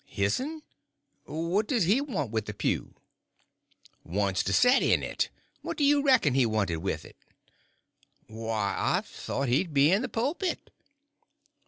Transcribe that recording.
"His'n? What does he want with a pew?" "Wants it to set in. What did you reckon he wanted with it?" "Why, I thought he'd be in the pulpit."